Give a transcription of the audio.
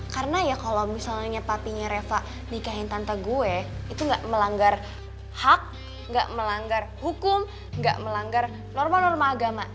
karena ya kalau misalnya papinya reva nikahin tante gue itu gak melanggar hak gak melanggar hukum gak melanggar norma norma agama